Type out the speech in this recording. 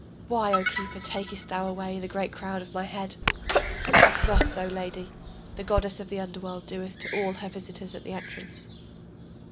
Why, O keeper, takest thou away the great crown of my head? Thus, O lady, the goddess of the underworld doeth to all her visitors at the entrance.